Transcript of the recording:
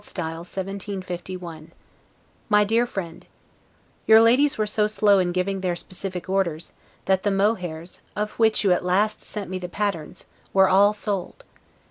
S. 1751 MY DEAR FRIEND: Your ladies were so slow in giving their specific orders, that the mohairs, of which you at last sent me the patterns, were all sold.